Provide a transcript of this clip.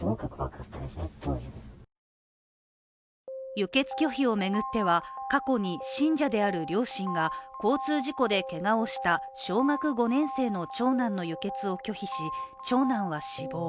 輸血拒否を巡っては過去に信者である両親が交通事故でけがをした小学５年生の長男の輸血を拒否し、長男は死亡。